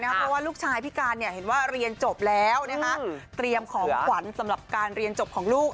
เพราะว่าลูกชายพี่การเห็นว่าเรียนจบแล้วเตรียมของขวัญสำหรับการเรียนจบของลูก